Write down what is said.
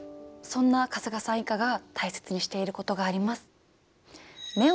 そんな春日さん一家が大切にしていることがあります。